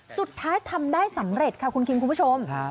สุดท้ายทำได้สำเร็จค่ะคุณคิมคุณผู้ชม